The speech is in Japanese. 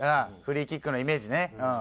フリーキックのイメージね。